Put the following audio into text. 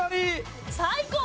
最高。